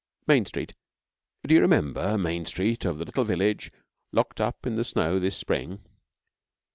Main Street do you remember Main Street of a little village locked up in the snow this spring?